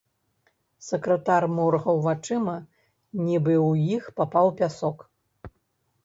Сакратар моргаў вачыма, нібы ў іх папаў пясок.